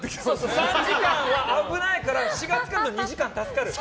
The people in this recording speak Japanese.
３時間は危ないから４月からの２時間、助かる。